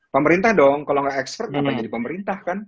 pemerintah dong kalau gak ekspert jadi pemerintah kan